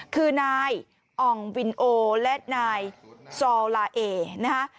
คือนายอ่องวินโอและนายซอลลาเอนะคะ